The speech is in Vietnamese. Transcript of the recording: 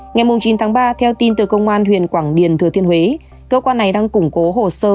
ngày chín tháng ba theo tin từ công an huyện quảng điền thừa thiên huế cơ quan này đang củng cố hồ sơ